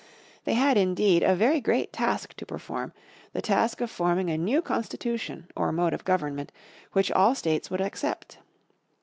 They had, indeed, a very great task to perform, the task of forming a new constitution or mode of government, which all states would accept.